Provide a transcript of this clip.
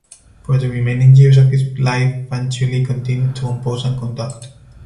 For the remaining years of his life Fanciulli continued to compose and conduct.